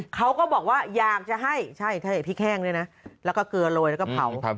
เขาก็บอกว่าอยากจะให้ใช่พริกแห้งด้วยนะแล้วก็เกลือโรยแล้วก็เผา